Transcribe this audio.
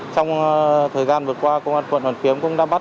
trong thời gian vừa qua công an quận hoàn kiếm cũng đã bắt